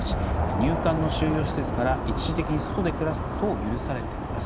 入管の収容施設から一時的に外で暮らすことを許されています。